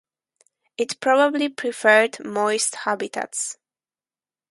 It probably preferred moist habitats.